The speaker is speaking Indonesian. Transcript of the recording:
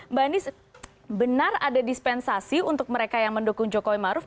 mbak anies benar ada dispensasi untuk mereka yang mendukung jokowi maruf